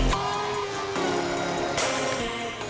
semoga memiliki keadilan yang bernasib baik